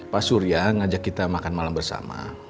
pak surya ngajak kita makan malam bersama